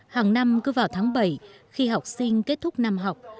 hàng năm cứ vào tháng bảy khi học sinh kết thúc năm học